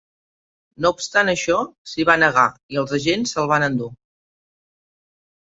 No obstant això, s'hi va negar i els agents se'l van endur.